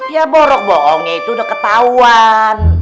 ya borok bohongnya itu udah ketahuan